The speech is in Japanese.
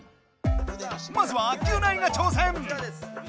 まずはギュナイが挑戦！